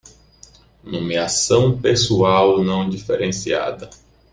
Nomeação pessoal não diferenciada